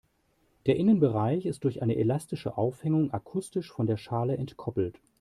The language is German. Der Innenbereich ist durch eine elastische Aufhängung akustisch von der Schale entkoppelt.